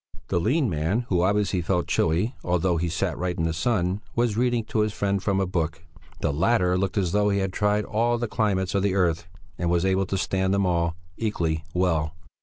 The lean man, who obviously felt chilly, although he sat right in the sun, was reading to his friend from a book; the latter looked as though he had tried all the climates of the earth and was able to stand them all equally well.